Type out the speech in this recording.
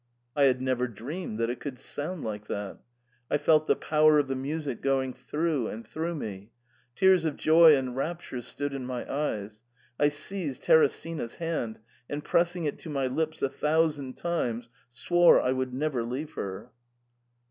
I had never dreamed that it could sound like that. I felt the power of the music going through and through me ; tears of joy and rap ture stood in my eyes ; I seized Teresina's hand, and pressing it to my lips a thousand times, swore I would never leave her.